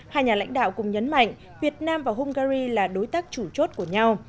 hai nhà lãnh đạo cùng nhấn mạnh việt nam và hungary là đối tác chủ chốt của nhau